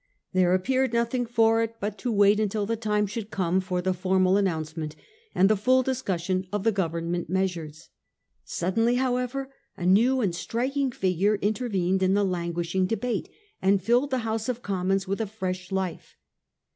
There appeared therefore nothing for it but to wait until the time should come for the for mal announcement and the fall discussion of the Go vernment measures. Suddenly, however, a new and striking figure intervened in the languishing debate, and filled the House of Commons with a fresh life.